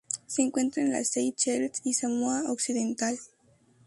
Se encuentra en las Seychelles y Samoa Occidental.